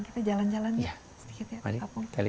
kita jalan jalan ya sedikit ya pak pung